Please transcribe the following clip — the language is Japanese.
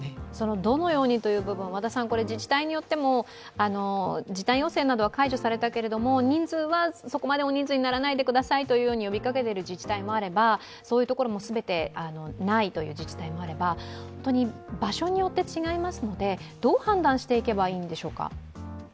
どのようにという部分、自治体によっても時短要請などは解除されたけれども人数はそこまで大人数にならないでくださいと呼びかけてる自治体もあればそういうところも全てないという自治体もあれば場所によって違いますのでどう判断していけばいいんでしょうか？